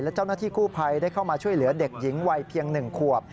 และเจ้าหน้าที่กู้ภัยได้เข้ามาช่วยเหลือเด็กหญิงวัยเพียง๑ขวบ